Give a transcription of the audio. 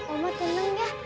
oma tenang ya